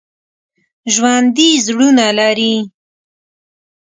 ژوندي زړونه لري